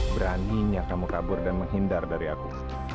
beraninya kamu kabur dan menghindar dari aku